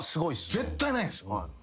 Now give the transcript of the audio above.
絶対ないんですよ。